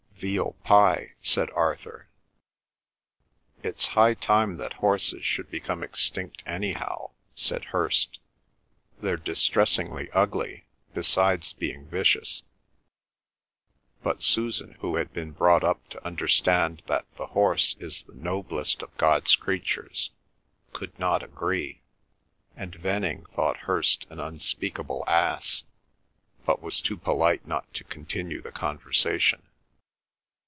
"Veal pie," said Arthur. "It's high time that horses should become extinct anyhow," said Hirst. "They're distressingly ugly, besides being vicious." But Susan, who had been brought up to understand that the horse is the noblest of God's creatures, could not agree, and Venning thought Hirst an unspeakable ass, but was too polite not to continue the conversation.